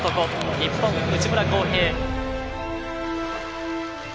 日本、内村航平。